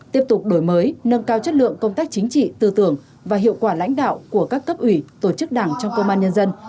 tiếp tục đổi mới nâng cao chất lượng công tác chính trị tư tưởng và hiệu quả lãnh đạo của các cấp ủy tổ chức đảng trong công an nhân dân